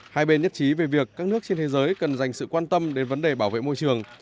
hai bên nhất trí về việc các nước trên thế giới cần dành sự quan tâm đến vấn đề bảo vệ môi trường